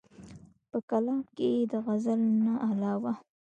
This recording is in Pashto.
پۀ کلام کښې ئې د غزل نه علاوه